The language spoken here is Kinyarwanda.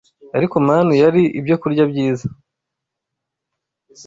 Ariko manu yari ibyokurya byiza